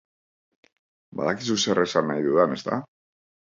Badakizu zer esan nahi dudan, ezta?